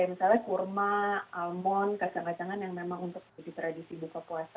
misalnya kurma almon kacang kacangan yang memang untuk jadi tradisi buka puasa